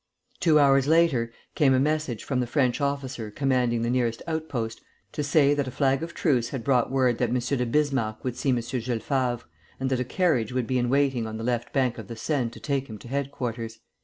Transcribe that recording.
Two hours later, came a message from the French officer commanding the nearest outpost to say that a flag of truce had brought word that M. de Bismarck would see M. Jules Favre, and that a carriage would be in waiting on the left bank of the Seine to take him to headquarters."